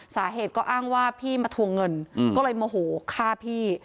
สาเหตุก็อ้างว่าพี่มาทวงเงินก็เลยโมโหฆ่าพี่